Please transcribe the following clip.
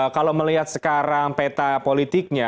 kalau melihat sekarang peta politiknya